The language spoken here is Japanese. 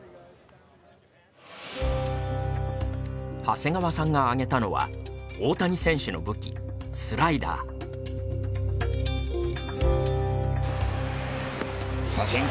長谷川さんが挙げたのは大谷選手の武器三振！